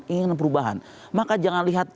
keinginan perubahan maka jangan lihat